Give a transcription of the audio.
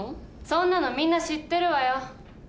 そんなのみんな知ってるわよ。